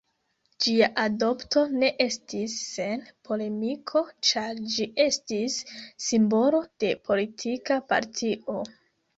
Ĝia adopto ne estis sen polemiko, ĉar ĝi estis simbolo de politika partio.